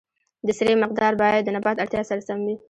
د سرې مقدار باید د نبات اړتیا سره سم وي.